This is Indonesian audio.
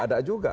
tidak ada juga